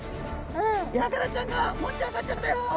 ヤガラちゃんが持ち上がっちゃったよ！